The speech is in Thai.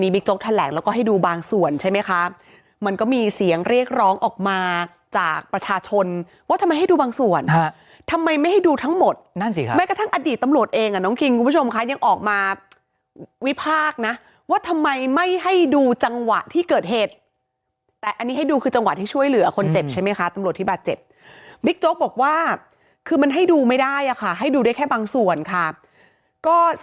ประชาชนว่าทำไมให้ดูบางส่วนทำไมไม่ให้ดูทั้งหมดนั่นสิไม่กระทั่งอดีตตำรวจเองอ่ะน้องคิงคุณผู้ชมค่ะยังออกมาวิภาคนะว่าทำไมไม่ให้ดูจังหวะที่เกิดเหตุแต่อันนี้ให้ดูคือจังหวะที่ช่วยเหลือคนเจ็บใช่ไหมคะตำรวจที่บาดเจ็บบิ๊กโก๊กบอกว่าคือมันให้ดูไม่ได้อ่ะค่ะให้ดูได้แค่บางส่วนค่ะก็ส